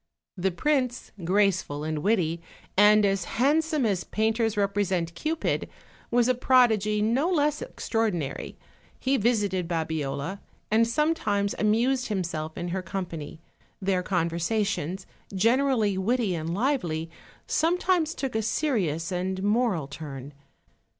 The prince, graceful and witty, and as handsome as painters represent Cupid, was a prodigy no less extraor dinary; he visited Babiola, and sometimes amused him self in her company: their conversations, generally witty and lively, sometimes took a serious and moral turn.